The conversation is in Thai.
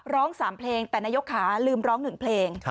ร้อง๓เพลงแต่นายกขาลืมร้อง๑เพลง